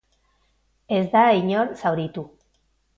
Ez da inor zauritu.